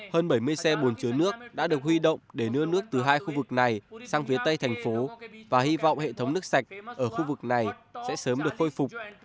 hơn bảy mươi xe bồn chứa nước đã được huy động để đưa nước từ hai khu vực này sang phía tây thành phố và hy vọng hệ thống nước sạch ở khu vực này sẽ sớm được khôi phục